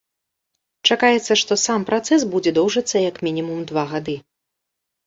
Чакаецца, што сам працэс будзе доўжыцца як мінімум два гады.